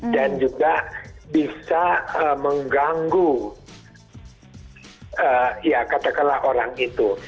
dan juga bisa mengganggu ya katakanlah orang itu